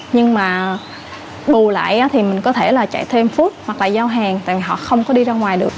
nhưng mà bù lại thì mình có thể là chạy thêm food hoặc là giao hàng tại vì họ không có đi ra ngoài được